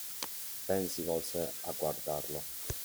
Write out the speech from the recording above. Ben si volse a guardarlo.